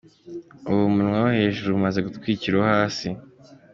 Ubu umunwa wo hejuru umaze gutwikira uwo hasi.